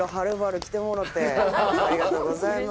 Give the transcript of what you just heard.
ありがとうございます。